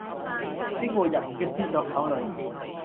經過人嘅思想考慮